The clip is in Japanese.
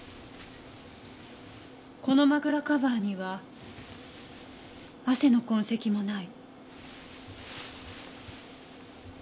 この枕カバーには汗の痕跡もない。